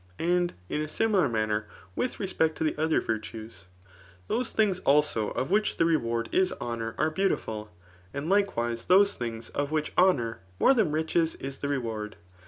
And in a similar manner with respect to the other virtues* Those things^ also of which the reward is honour' are beautiful} and likewise those things of which honour more than riches is the reward.